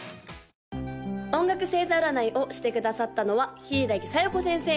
・音楽星座占いをしてくださったのは柊小夜子先生！